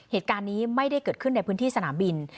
เหตุการณ์นี้ไม่ได้เกิดขึ้นในพื้นที่สนามบิน